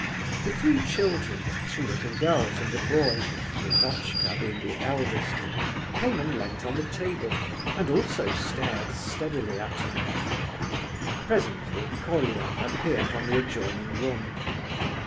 The three children, two little girls and a boy, Lenotchka being the eldest, came and leant on the table and also stared steadily at him. Presently Colia appeared from the adjoining room.